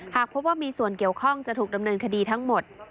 หากพบว่ามีส่วนเกี่ยวข้องจะถูกดำเนินคดีทั้งหมด